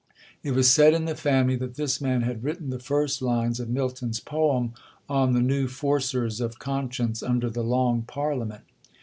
It was said in the family, that this man had written the first lines of Milton's poem 'on the new forcers of conscience under the Long Parliament.'